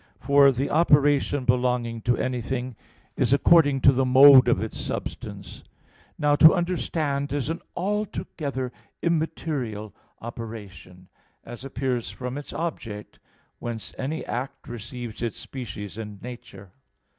For the operation belonging to anything is according to the mode of its substance. Now to understand is an altogether immaterial operation, as appears from its object, whence any act receives its species and nature.